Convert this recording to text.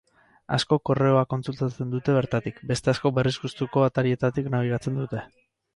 Askok korreoa kontsultatzen dute bertatik, beste askok berriz gustuko atarietatik nabigatzen dute.